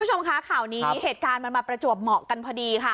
คุณผู้ชมคะข่าวนี้เหตุการณ์มันมาประจวบเหมาะกันพอดีค่ะ